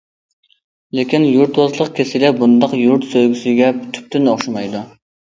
لېكىن يۇرتۋازلىق كېسىلى بۇنداق يۇرت سۆيگۈسىگە تۈپتىن ئوخشىمايدۇ.